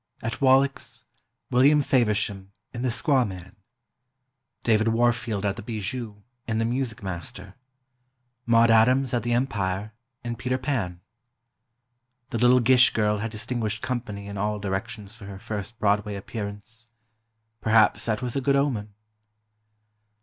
At Wallack's, William Faversham, in "The Squaw Man"; David Warfield at the Bijou, in "The Music Master"; Maude Adams at the Empire, in "Peter Pan." The little Gish girl had distinguished company in all directions for her first Broadway appearance. Perhaps that was a good omen.